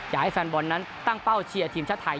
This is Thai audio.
อยากให้แฟนบอลนั้นตั้งเป้าเชียร์ทีมชาติไทย